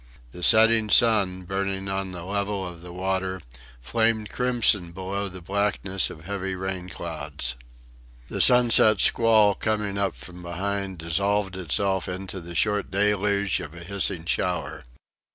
The setting sun, burning on the level of the water, flamed crimson below the blackness of heavy rain clouds. The sunset squall, coming up from behind, dissolved itself into the short deluge of a hissing shower.